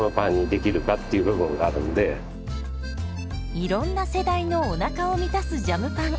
いろんな世代のおなかを満たすジャムパン。